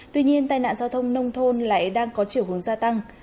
tuy nhiên tai nạn giao thông nông thôn lại đang có chiều hướng gia tăng